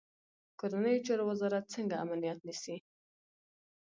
کورنیو چارو وزارت څنګه امنیت نیسي؟